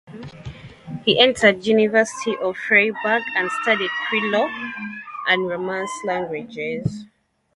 He entered University of Freiburg, and studied pre-Law and Romance languages.